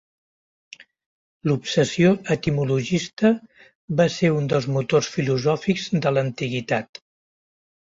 L'obsessió etimologista va ser un dels motors filosòfics de l'antiguitat.